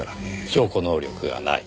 証拠能力がない。